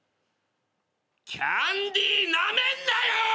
キャンディーなめんなよ！！